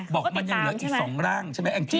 บอกมันยังเหลืออีก๒ร่างใช่ไหมแองจี